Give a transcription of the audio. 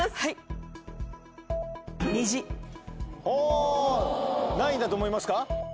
ほう何位だと思いますか？